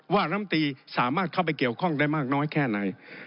ลำตีสามารถเข้าไปเกี่ยวข้องได้มากน้อยแค่ไหน